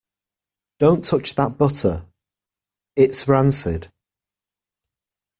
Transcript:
Don't touch that butter. It's rancid!